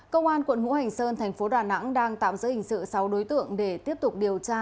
công an quận hữu hành sơn thành phố đà nẵng đang tạm giữ hình sự sáu đối tượng để tiếp tục điều tra